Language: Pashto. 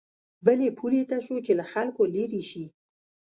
بلې پولې ته شو چې له خلکو لېرې شي.